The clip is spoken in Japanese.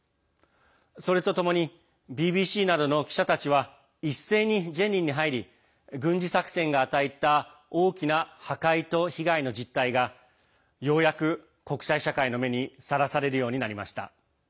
それとともにＢＢＣなどの記者たちは一斉にジェニンに入り軍事作戦が与えた大きな破壊と被害の実態がようやく国際社会の目にさらされるようになりました。